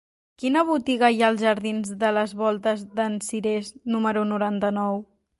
Quina botiga hi ha als jardins de les Voltes d'en Cirés número noranta-nou?